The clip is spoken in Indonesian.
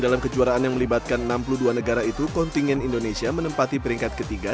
dalam kejuaraan yang melibatkan enam puluh dua negara itu kontingen indonesia menempati peringkat ketiga